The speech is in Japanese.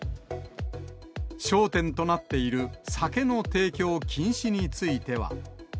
焦点となっている酒の提供禁止については。